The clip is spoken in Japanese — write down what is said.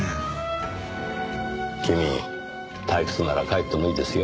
君退屈なら帰ってもいいですよ。